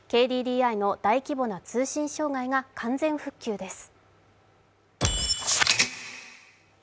ＫＤＤＩの大規模な通信障害が完全復旧です。